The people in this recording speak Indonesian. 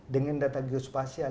dengan data geospasial